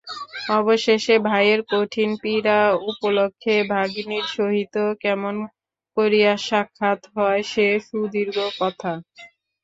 অবশেষে ভাইয়ের কঠিন পীড়া উপলক্ষে ভগিনীর সহিত কেমন করিয়া সাক্ষাৎ হয় সে সুদীর্ঘ কথা।